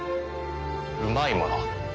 うまいもの。